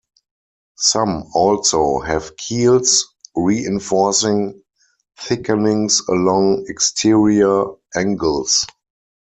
Some, also, have keels, reinforcing thickenings along exterior angles.